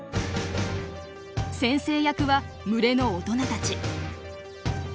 先生役は群れの大人たち。